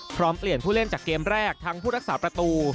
เปลี่ยนผู้เล่นจากเกมแรกทั้งผู้รักษาประตู